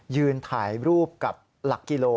ยืนถ่ายรูปกับหลักกิโล